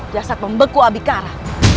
jasad pembeku habikara